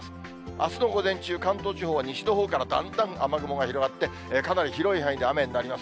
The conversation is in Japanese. あすの午前中、関東地方は西のほうからだんだん雨雲が広がって、かなり広い範囲で雨になります。